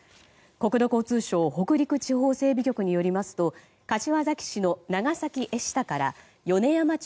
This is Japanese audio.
国土交通省北陸地方整備局によりますと柏崎市の長崎江下から米山町